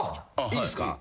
いいっすか？